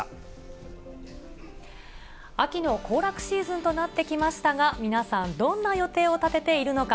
秋の行楽シーズンとなってきましたが、皆さん、どんな予定を立てているのか。